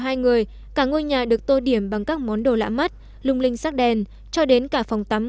hai người cả ngôi nhà được tô điểm bằng các món đồ lạ mắt lung linh sắc đèn cho đến cả phòng tắm